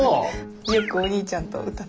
よくお兄ちゃんと歌ってました。